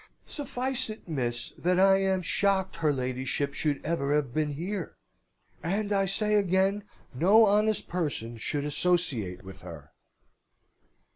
Suffice it, miss, that I am shocked her ladyship should ever have been here; and I say again, no honest person should associate with her!"